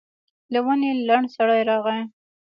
له ونې لنډ سړی راغی.